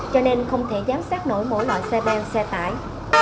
cho nên không thể giám sát nổi mỗi loại xe bèo xe tải